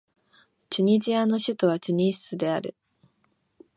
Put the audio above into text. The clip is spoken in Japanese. チュニジアの首都はチュニスである